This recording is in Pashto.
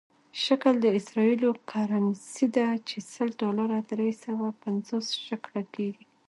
شکل د اسرائیلو کرنسي ده چې سل ډالره درې سوه پنځوس شکله کېږي.